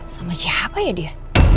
sama siapa ya dia